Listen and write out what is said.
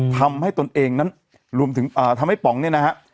ตนเองนั้นรวมถึงทำให้ป๋องเนี่ยนะฮะ